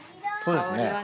そうですね。